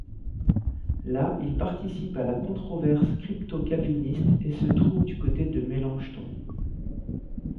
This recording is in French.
Là il participe à la controverse crypto-calviniste et se trouve du côté de Mélanchthon.